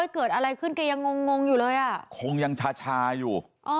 เกิดอะไรขึ้นแกยังงงอยู่เลยอ่ะคงยังชาอยู่